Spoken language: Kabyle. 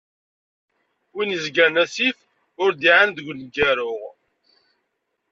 Win izegren asif, ur d-iɛan deg uneggaru.